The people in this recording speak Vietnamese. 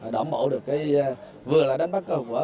đảm bảo được vừa là đánh bắt cơ hội